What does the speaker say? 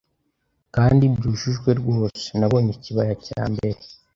Kandi byujujwe rwose nabonye ikibaya cya mbere